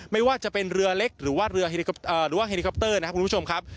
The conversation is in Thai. ไม่ว่าจะเป็นเรือเล็กหรือว่าเรือหรือว่าเฮลิคอปเตอร์นะครับคุณผู้ชมครับ